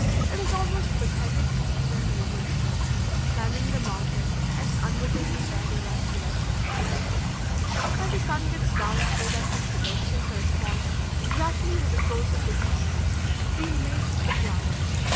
It is almost pathetic to see them labor so, climbing the mountain and unwittingly guiding us to their treasures. When the sun gets down so that his direction corresponds exactly with the course of the bees, we make the plunge.